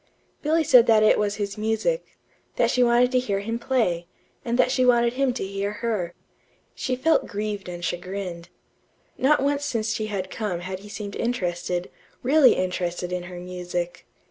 Billy said that it was his music; that she wanted to hear him play, and that she wanted him to hear her. She felt grieved and chagrined. Not once since she had come had he seemed interested really interested in her music.